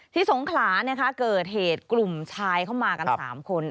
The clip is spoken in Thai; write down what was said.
สงขลานะคะเกิดเหตุกลุ่มชายเข้ามากัน๓คน